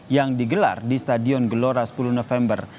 yang digelar di stadion gelora sepuluh november